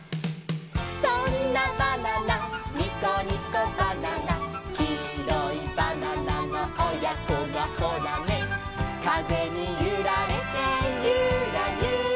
「そんなバナナニコニコバナナ」「きいろいバナナのおやこがホラネ」「かぜにゆられてユラユラ」